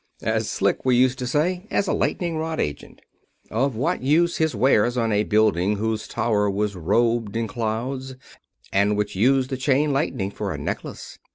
"As slick," we used to say, "as a lightning rod agent." Of what use his wares on a building whose tower was robed in clouds and which used the chain lightning for a necklace?